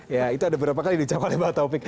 ya itu ada berapa kali dicapal ya bang taufik